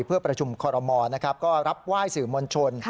เพื่อประชุมคอรมอลนะครับก็รับไหว้สื่อมวลชน